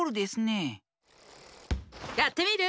やってみる？